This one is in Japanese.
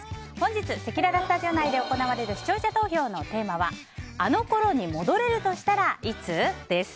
本日せきららスタジオ内で行われる視聴者投票のテーマはあの頃に戻れるとしたらいつ？です。